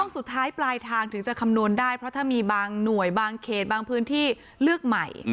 สุดท้ายปลายทางถึงจะคำนวณได้เพราะถ้ามีบางหน่วยบางเขตบางพื้นที่เลือกใหม่